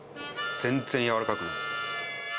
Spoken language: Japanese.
全然柔らかくない。